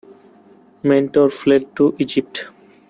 Mentor fled to Egypt.